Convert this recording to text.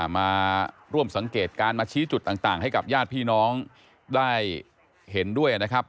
มาร่วมสังเกตการณ์มาชี้จุดต่างให้กับญาติพี่น้องได้เห็นด้วยนะครับ